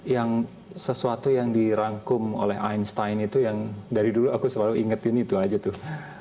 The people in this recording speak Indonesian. yang sesuatu yang dirangkum oleh einst time itu yang dari dulu aku selalu ingetin itu aja tuh